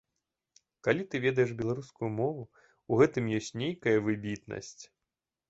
Калі ты ведаеш беларускую мову, у гэтым ёсць нейкая выбітнасць.